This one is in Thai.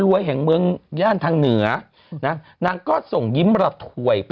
นี่นี่นี่นี่นี่นี่นี่นี่นี่